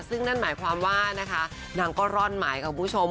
ซึ่งนั่นหมายความว่านางก็ร่อนหมายกับผู้ชม